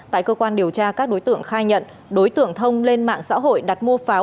tại cơ quan điều tra các đối tượng khai nhận đối tượng thông lên mạng xã hội đặt mua pháo